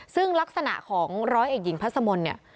ซึ่งลักษณะของร้อยเอกหญิงพัสมนต์เนี่ย